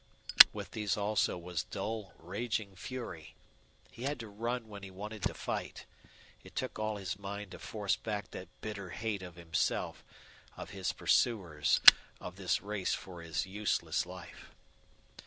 With these also was dull, raging fury. He had to run when he wanted to fight. It took all his mind to force back that bitter hate of himself, of his pursuers, of this race for his useless life.